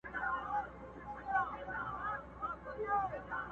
د مېږیانو کور له غمه نه خلاصېږي!!..